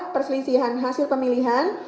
perselisihan hasil pemilihan